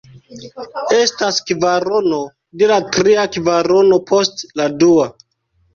Estas kvarono de la tria kvarono post la dua.